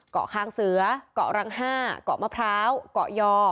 ข้างเสือเกาะรัง๕เกาะมะพร้าวเกาะยอ